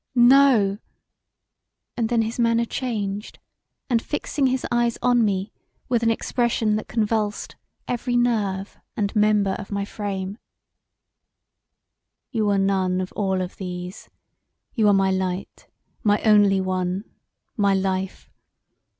No[!]" And then his manner changed, and fixing his eyes on me with an expression that convulsed every nerve and member of my frame "you are none of all these; you are my light, my only one, my life.